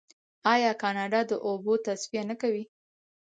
آیا کاناډا د اوبو تصفیه نه کوي؟